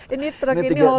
ini truk ini hauler ini